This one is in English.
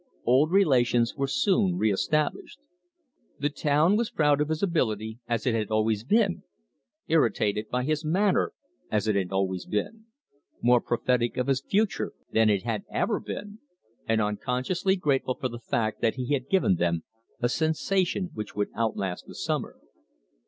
Old relations were soon re established. The town was proud of his ability as it had always been, irritated by his manner as it had always been, more prophetic of his future than it had ever been, and unconsciously grateful for the fact that he had given them a sensation which would outlast the summer.